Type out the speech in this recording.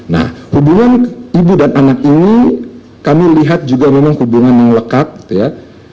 nah hubungan ibu dan anak ini kami lihat juga memang hubungan yang lekat ya